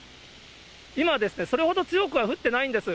今ですね、それほど強くは降ってないんです。